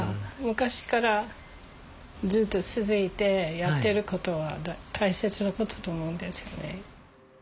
昔からずっと続いてやってる事は大切な事と思うんですよね。